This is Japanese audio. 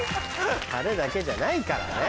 タレだけじゃないからね。